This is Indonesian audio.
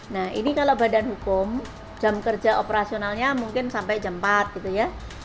nah ini kalau badan hukum jam kerja operasionalnya mungkin sampai jam empat gitu ya